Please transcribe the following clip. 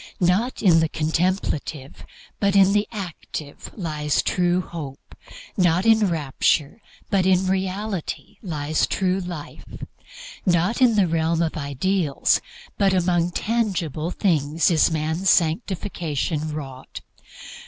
Not in the contemplative, but in the active, lies true hope; not in rapture, but in reality, lies true life; not in the realm of ideals, but among tangible things, is man's sanctification wrought.